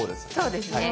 そうですね。